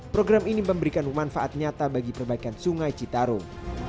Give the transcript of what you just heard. program ini memberikan manfaat nyata bagi perbaikan sungai citarum